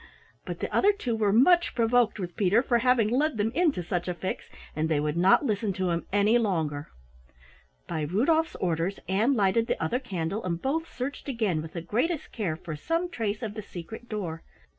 But the other two were much provoked with Peter for having led them into such a fix, and they would not listen to him any longer. By Rudolf's orders, Ann lighted the other candle and both searched again with the greatest care for some trace of the secret door.